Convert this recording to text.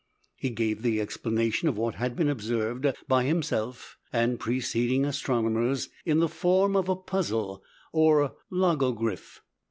He gave the explanation of what had been observed by himself and preceding astronomers in the form of a puzzle, or "logogriph."